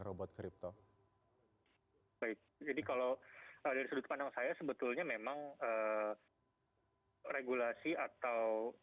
robot crypto hai baik jadi kalau ada sedikit pandang saya sebetulnya memang regulasi atau